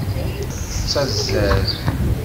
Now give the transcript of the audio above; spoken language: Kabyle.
Tettazzal.